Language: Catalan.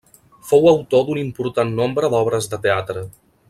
Fou autor d'un important nombre d'obres de teatre.